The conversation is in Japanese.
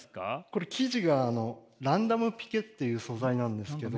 これ生地がランダムピケっていう素材なんですけど。